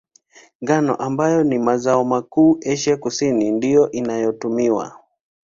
Ngano, ambayo ni mazao makuu Asia ya Kusini, ndiyo inayotumiwa.